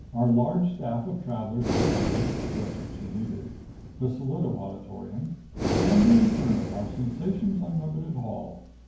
"Our Large Staff of Traveler's Companions" just what she needed. The Solido Auditorium "... and the Inferno our Sensations Unlimited Hall."